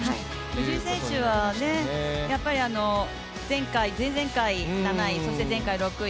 藤井選手は前々回７位そして前回６位